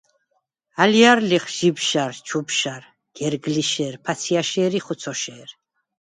ალჲარ ლიხ: ჟიბშარ, ჩუბშარ, გერგლიშე̄რ, ფაცჲაჲშე̄რ ი ხუცოშე̄რ.